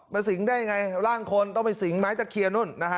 สิงได้ยังไงร่างคนต้องไปสิงไม้ตะเคียนนู่นนะฮะ